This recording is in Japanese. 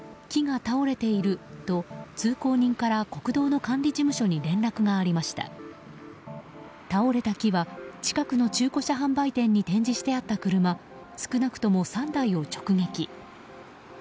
倒れた木は近くの中古車販売店に展示してあった車少なくとも３台を直撃。